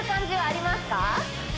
あります